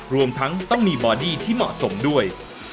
รวมทั้งต้องมีบอดี้ที่เหมาะสมด้วย